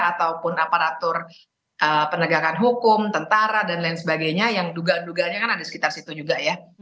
ataupun aparatur penegakan hukum tentara dan lain sebagainya yang duga duganya kan ada sekitar situ juga ya